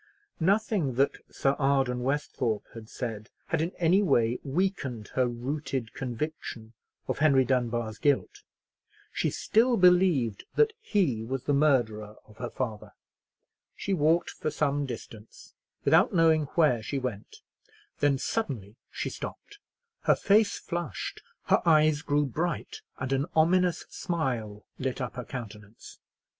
Nothing that Sir Arden Westhorpe had said had in any way weakened her rooted conviction of Henry Dunbar's guilt. She still believed that he was the murderer of her father. She walked for some distance without knowing where she went, then suddenly she stopped; her face flushed, her eyes grew bright, and an ominous smile lit up her countenance.